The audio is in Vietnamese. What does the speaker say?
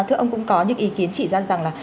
thưa ông cũng có những ý kiến chỉ ra rằng là